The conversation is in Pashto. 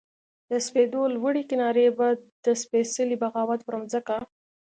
د سپېدو لوړې کنارې به د سپیڅلې بغاوت پر مځکه